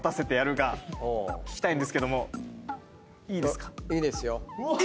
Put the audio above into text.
いいですか？